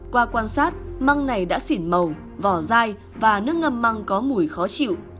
qua quan sát măng này đã xỉn màu vỏ da và nước ngâm măng có mùi khó chịu